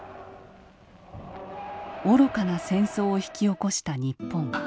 愚かな戦争を引き起こした日本。